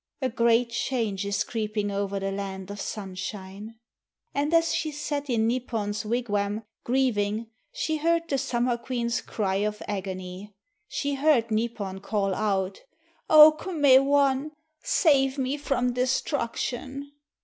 A great change is creeping over the land of Sunshine." And as she sat in Nipon's wigwam, grieving, she heard the Summer Queen's cry of agony. She heard Nipon call out, "O K'me wan! Save me from destruction."